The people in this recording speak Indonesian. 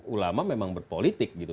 ulama memang berpolitik gitu